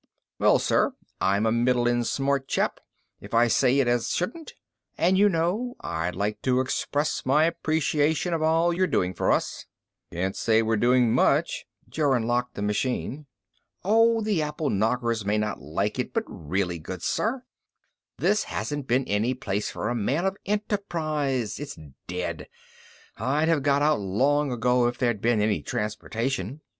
"Well, sir, I'm a middling smart chap, if I say it as shouldn't. And you know, I'd like to express my appreciation of all you're doing for us." "Can't say we're doing much." Jorun locked the machine. "Oh, the apple knockers may not like it, but really, good sir, this hasn't been any place for a man of enterprise. It's dead. I'd have got out long ago if there'd been any transportation.